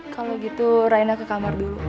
kalau gitu raina ke kamar dulu